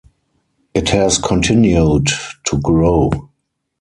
It has continued to grow.